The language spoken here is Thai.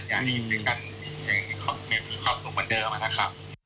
ความสุขเหมือนเดิมอะนะครับ